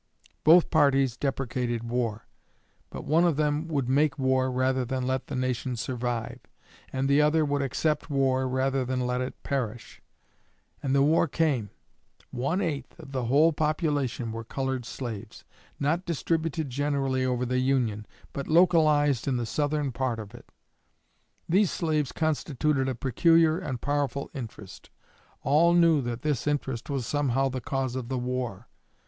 Both parties deprecated war, but one of them would make war rather than let the Nation survive, and the other would accept war rather than let it perish; and the war came. One eighth of the whole population were colored slaves, not distributed generally over the Union, but localized in the southern part of it. These slaves constituted a peculiar and powerful interest. All knew that this interest was somehow the cause of the war.